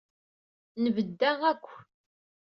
Nbedda akkw.